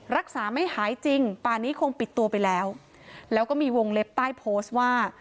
รักษาไม่หายจริงป่านี้คงปิดตัวไปแล้วแล้วก็มีวงเล็บใต้โพสต์ว่า